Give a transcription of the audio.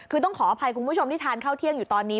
คือต้องขออภัยคุณผู้ชมที่ทานข้าวเที่ยงอยู่ตอนนี้